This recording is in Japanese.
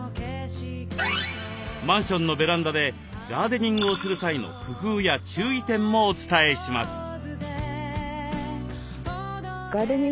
マンションのベランダでガーデニングをする際の工夫や注意点もお伝えします。